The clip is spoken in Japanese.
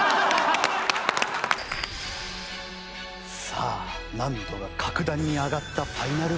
さあ難度が格段に上がったファイナルバトル。